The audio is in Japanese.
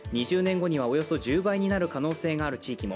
２０年後にはおよそ１０倍になる可能性がある地域も。